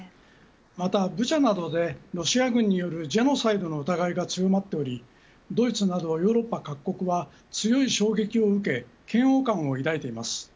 またブチャなどでロシア軍によるジェノサイドの疑いが強まっておりドイツなどヨーロッパ各国は強い衝撃を受け嫌悪感を抱いています。